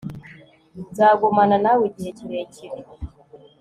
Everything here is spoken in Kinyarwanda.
nzagumana nawe igihe kirekire